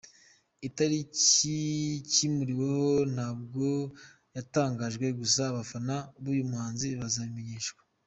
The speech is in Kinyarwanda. Itariki cyimuriweho ntabwo yatangajwe gusa abafana b’uyu muhanzi bazabimenyeshwa.